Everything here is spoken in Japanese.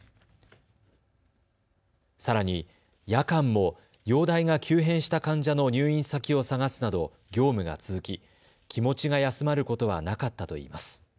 さらに、夜間も容体が急変した患者の入院先を探すなど業務が続き、気持ちが休まることはなかったといいます。